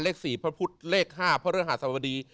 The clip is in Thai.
เลข๔พระพุทธเลข๔พระอลฆสรรพดี